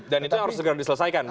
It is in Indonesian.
dan itu harus segera diselesaikan